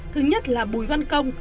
thứ nhất là bùi văn công